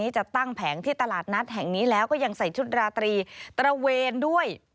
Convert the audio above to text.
จะตั้งแผงที่ตลาดนัดแห่งนี้แล้วก็ยังใส่ชุดราตรีตระเวนด้วย